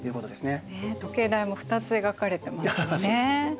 ねえ時計台も２つ描かれてますよね。